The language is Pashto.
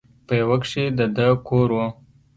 په يوه کښې د ده کور و.